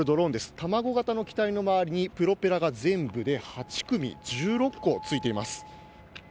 卵型の機体の周りにプロペラが全部で８組１６個付いています。